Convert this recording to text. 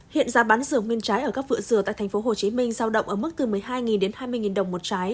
hiện giá bán rửa nguyên trái ở các vựa rửa tại thành phố hồ chí minh giao động ở mức từ một mươi hai đến hai mươi đồng một trái